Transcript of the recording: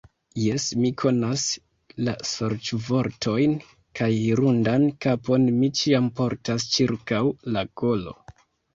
Jes, mi konas la sorĉvortojn kaj hirundan kapon mi ĉiam portas ĉirkaŭ la kolo.